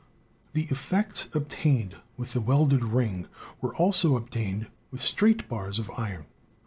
The effects obtained with the welded ring were also ob tained with straight bars of iron.